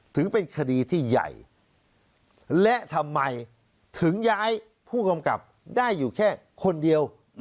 ถึงเป็นคดีที่ใหญ่และทำไมถึงย้ายผู้กำกับได้อยู่แค่คนเดียว